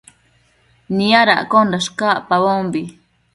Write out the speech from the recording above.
Niadaccosh cacpabombi